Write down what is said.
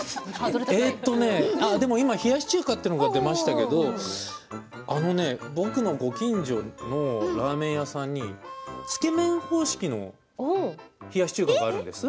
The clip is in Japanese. えーっとね冷やし中華が出ましたけど僕のご近所のラーメン屋さんにつけ麺方式の冷やし中華があるんです。